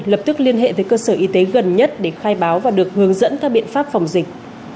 lập tức liên hệ với cơ sở y tế gần nhất để khai báo và được hướng dẫn các biện pháp phòng dịch